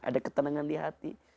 ada ketenangan di hati